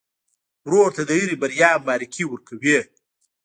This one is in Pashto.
ورور ته د هرې بریا مبارکي ورکوې.